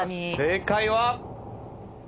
正解は。